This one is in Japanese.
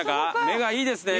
目がいいですね